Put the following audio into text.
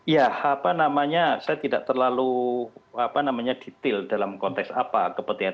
ya apa namanya saya tidak terlalu detail dalam konteks apa kepentingan